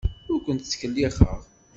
Ur ken-ttkellixeɣ.